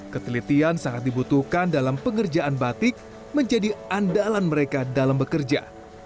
ketelitian sangat dibutuhkan dalam pengerjaan batik menjadi andalan mereka dalam bekerja